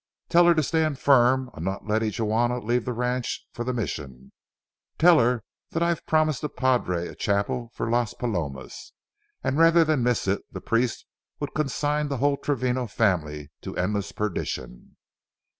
Tell her to stand firm on not letting Juana leave the ranch for the Mission. Tell her that I've promised the padre a chapel for Las Palomas, and rather than miss it, the priest would consign the whole Travino family to endless perdition.